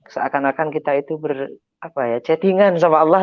seakan akan kita itu ber chattingan sama allah